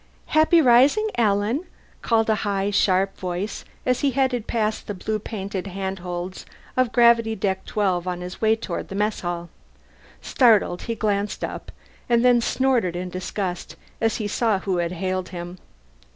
"Happy rising, Alan," called a high, sharp voice as he headed past the blue painted handholds of Gravity Deck 12 on his way toward the mess hall. Startled, he glanced up, and then snorted in disgust as he saw who had hailed him.